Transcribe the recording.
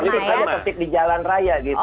iya tentu saja tertib di jalan raya gitu mbak